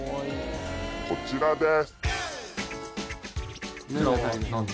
こちらです。